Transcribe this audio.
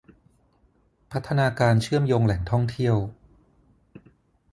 พัฒนาการเชื่อมโยงแหล่งท่องเที่ยว